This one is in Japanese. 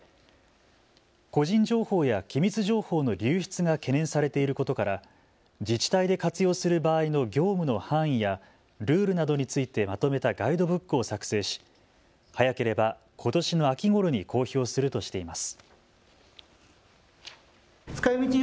個人情報や機密情報の流出が懸念されていることから自治体で活用する場合の業務の範囲やルールなどについてまとめたガイドブックを作成し早ければことしの秋ごろに公表するとしています。